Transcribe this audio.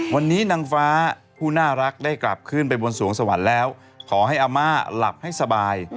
วันนี้นางฟ้าผู้น่ารักได้กลับขึ้นไปบนสวงสวรรค์แล้วขอให้อาม่าหลับให้สบาย